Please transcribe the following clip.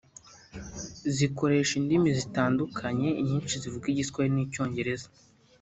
zikoresha indimi zitandukanye inyinshi zivuga igiswahili n’icyongereza